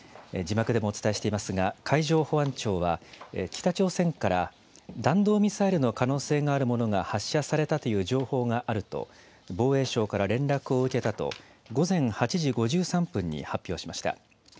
字幕でもお伝えしていますが、海上保安庁は、北朝鮮から弾道ミサイルの可能性があるものが発射されたという情報があると、防衛省から連絡を受けたと、午前８時５３分に発表しました。